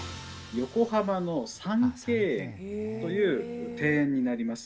横浜の三溪園という庭園になります。